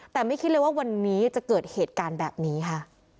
แต่ไม่คิดเลยว่าวันนี้จะเกิดเหตุการณ์แบบนี้ค่ะ